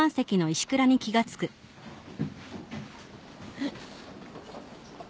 えっ。